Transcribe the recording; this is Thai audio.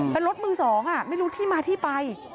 เป็นรถมือสองไม่รู้ที่มาที่ไป